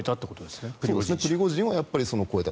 プリゴジンは越えた。